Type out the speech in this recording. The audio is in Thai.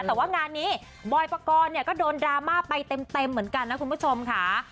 แต่ว่างานนี้บอยปกรณ์เนี่ยก็โดนดราม่าไปเต็มเหมือนกันนะคุณผู้ชมค่ะ